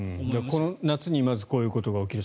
この夏にまずこういうことが起きる。